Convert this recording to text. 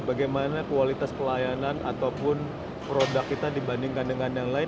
bagaimana kualitas pelayanan ataupun produk kita dibandingkan dengan yang lain